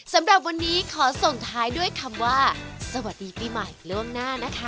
สำหรับวันนี้ขอส่งท้ายด้วยคำว่าสวัสดีปีใหม่ล่วงหน้านะคะ